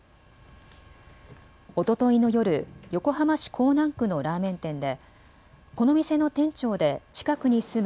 おとといの夜、横浜市港南区のラーメン店でこの店の店長で近くに住む